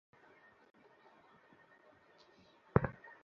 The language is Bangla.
মুজাহিদগণ ডানে-বামে আরো প্রসারিত হয়ে এগিয়ে যায়।